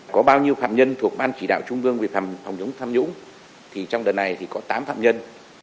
có bao nhiêu phạm nhân thuộc ban chỉ đạo trung ương về phòng chống tham nhũng thì trong đợt này thì có tám phạm nhân